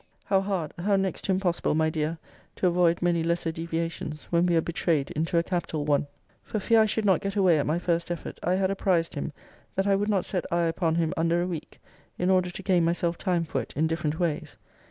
How hard, how next to impossible, my dear, to avoid many lesser deviations, when we are betrayed into a capital one! For fear I should not get away at my first effort, I had apprized him, that I would not set eye upon him under a week, in order to gain myself time for it in different ways.